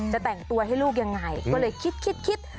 จะแบบไงก็เลยคิด